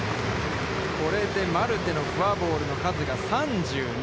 これでマルテのフォアボールの数が３７。